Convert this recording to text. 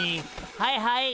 はいはい。